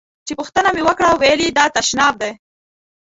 چې پوښتنه مې وکړه ویل یې دا تشناب دی.